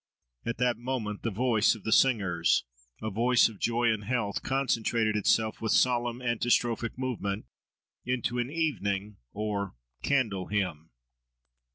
At that moment the voice of the singers, a "voice of joy and health," concentrated itself with solemn antistrophic movement, into an evening, or "candle" hymn.